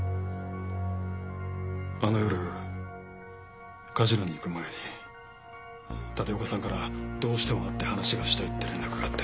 あの夜カジノに行く前に立岡さんからどうしても会って話がしたいって連絡があって。